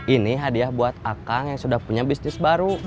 ini hadiah buat akang yang sudah punya bisnis baru